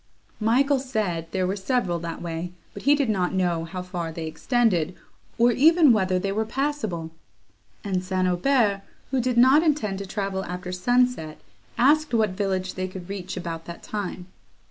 Michael said, there were several that way, but he did not know how far they extended, or even whether they were passable; and St. Aubert, who did not intend to travel after sunset, asked what village they could reach about that time.